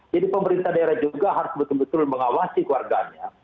jadi pemerintah daerah juga harus betul betul mengawasi keluarganya